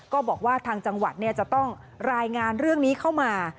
ก็บอกว่าทางจังหวัดจะต้องรายงานเรื่องนี้เข้ามา